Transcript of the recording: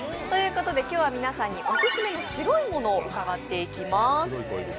ということで、今日は皆さんにオススメの白いものを伺っていきます。